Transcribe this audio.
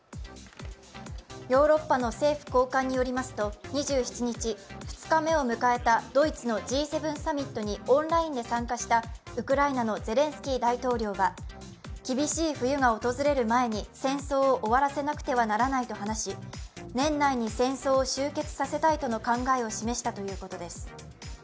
ヨーロッパの政府高官によりますと、２７日、２日目を迎えたドイツのＧ７サミットにオンラインで参加したウクライナのゼレンスキー大統領は厳しい冬が訪れる前に戦争を終わらせなくてはならないと話し年内に戦争を終結させたいとの考えを示したということです。